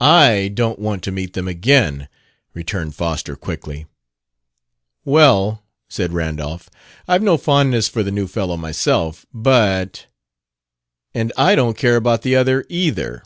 "I don't want to meet them again," returned Foster quickly. "Well," said Randolph, "I've no fondness for the new fellow, myself; but " "And I don't care about the other, either."